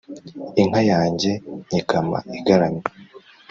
inka yanjye nyikama igaramye